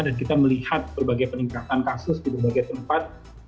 dan kita melihat berbagai peningkatan kasus di berbagai tempat